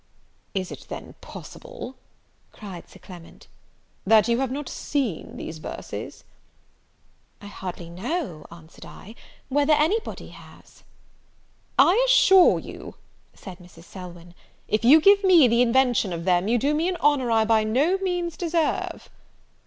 "Is it then possible," cried Sir Clement, "that you have not seen these verses?" "I hardly know," answered I, "whether any body has." "I assure you," said Mrs. Selwyn, "if you give me the invention of them, you do me an honour I by no means deserve."